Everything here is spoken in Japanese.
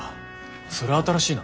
それは新しいな。